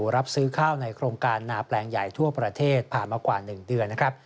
รับซื้อข้าวในโครงการนาแปลงใหญ่ทั่วประเทศผ่านมากว่า๑เดือนนะครับ